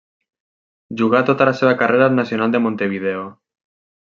Jugà tota la seva carrera al Nacional de Montevideo.